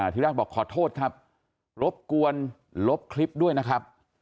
ทีแรกบอกขอโทษครับรบกวนลบคลิปด้วยนะครับ